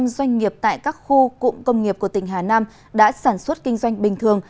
một trăm linh doanh nghiệp tại các khu cụm công nghiệp của tỉnh hà nam đã sản xuất kinh doanh bình thường